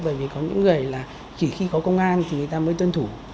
bởi vì có những người là chỉ khi có công an thì người ta mới tuân thủ